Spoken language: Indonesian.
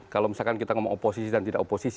kalau misalkan kita ngomong oposisi dan tidak oposisi